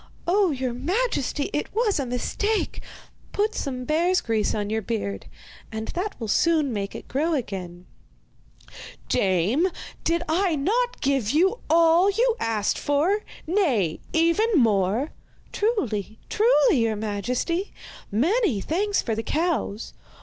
'Oh, your majesty, it was a mistake! Put some bear's grease on your beard and that will soon make it grow again.' 'Dame, did I not give you all you asked for nay, even more?' 'Truly, truly, your majesty. Many thanks for the cows.